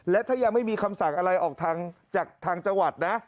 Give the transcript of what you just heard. และถ้ายังไม่มีคำสั่งอะไรออกทางจากทางจังหวัดนะ